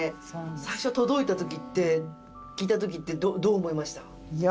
最初、届いたときって、聴いたときって、どう思いました？